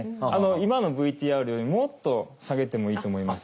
今のＶＴＲよりもっと下げてもいいと思います。